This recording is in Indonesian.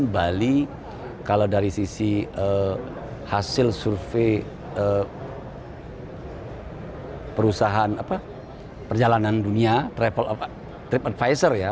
ke bali kalau dari sisi hasil survei perusahaan apa perjalanan dunia travel of tripadvisor ya